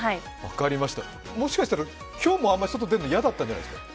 もしかしたら今日もあんまり、外出るの嫌だったんじゃないですか？